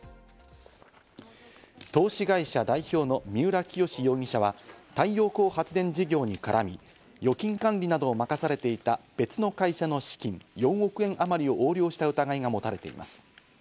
投資会社代表の三浦清志容疑者は太陽光発電事業に絡み、預金管理などを任されていた別の会社の資金４億円あまりを横領した疑いが持たれています。